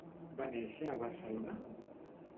Va néixer a Barcelona?